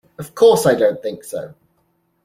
Of course I don’t think so!